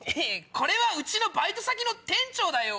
これはバイト先の店長だよ。